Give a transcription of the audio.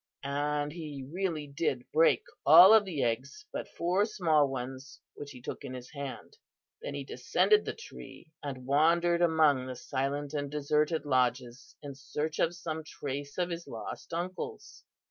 "And he really did break all of the eggs but four small ones which he took in his hand. Then he descended the tree, and wandered among the silent and deserted lodges in search of some trace of his lost uncles.